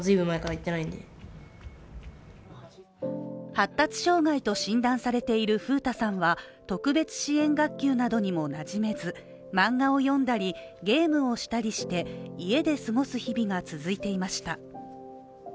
発達障害と診断されている楓太さんは特別支援学級などにもなじめず漫画を読んだり、ゲームをしたりして家で過ごす日々が続いていました。